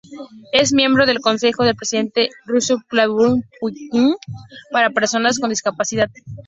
Es miembro del consejo del presidente ruso Vladímir Putin, para personas con discapacidad.